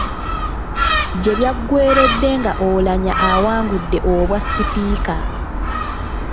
Gye byagweeredde nga Oulanyah awangudde obwa sipiika.